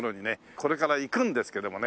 これから行くんですけどもね